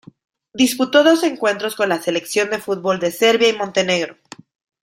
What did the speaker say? Disputó dos encuentros con la Selección de fútbol de Serbia y Montenegro.